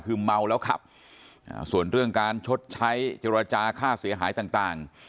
คือเมาแล้วขับส่วนเรื่องการชดใช้เจรจาค่าเสียหายต่าง